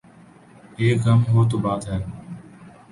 ایک غم ہو تو بات ہے۔